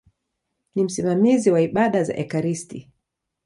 Ni msimamizi wa ibada za ekaristi.